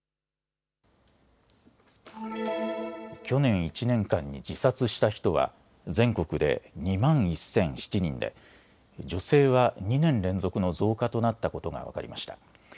去年１年間に自殺した人は全国で２万１００７人で女性は２年連続の増加となったことが分かりました。